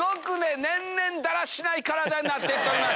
年々だらしない体になって行っております。